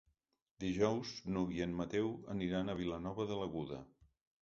Dijous n'Hug i en Mateu aniran a Vilanova de l'Aguda.